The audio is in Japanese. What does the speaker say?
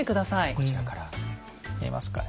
こちらから見えますかね。